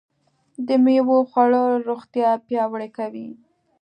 د مېوو خوړل روغتیا پیاوړې کوي.